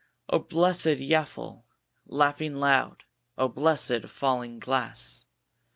O blessed yaffil, laughing loud! O blessed falling glass!